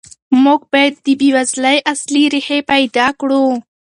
موږ باید د بېوزلۍ اصلي ریښې پیدا کړو.